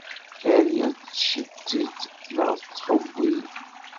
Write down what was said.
Dderrya tettcettit, neɣ tettxewwil.